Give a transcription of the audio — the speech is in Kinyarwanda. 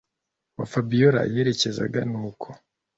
wa Fabiora yerekezaga nuko